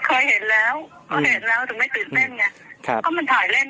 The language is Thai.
เครื่องยื่นขึ้นแบบนี้ทำให้เป็น